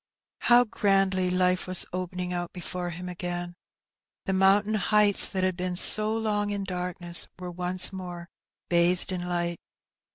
How grandly life was opening out before him again 1 The mountain heights that had been so long in darkness were once more bathed in light.